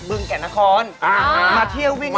เบื้องแก่นทะคอนมาเที่ยววิ่งเล่น